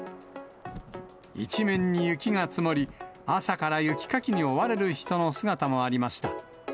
一面に雪が積もり、朝から雪かきに追われる人の姿もありました。